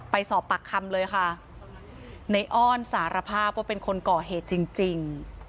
ไปสอบปากคำเลยค่ะในอ้อนสารภาพว่าเป็นคนก่อเหตุจริงจริง